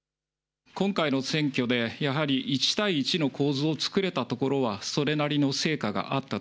今回の選挙でやはり１対１の構図をつくれたところは、それなりの成果があったと。